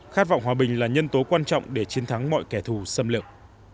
khát vọng hòa bình là nhân tố quan trọng để chiến thắng mọi kẻ thù xâm lược